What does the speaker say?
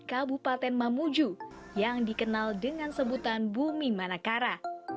kabupaten mamuju yang dikenal dengan sebutan bumi manakara